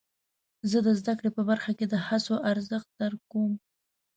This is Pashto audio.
زه د زده کړې په برخه کې د هڅو ارزښت درک کوم.